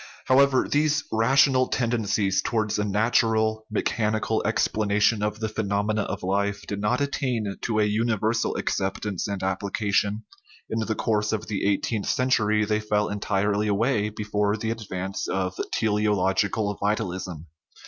However, these rational ten dencies towards a natural, mechanical explanation of the phenomena of life did not attain to a universal ac 1 ceptance and application; in the course of the eigh teenth century they fell entirely away before the advance of teleological vitalism.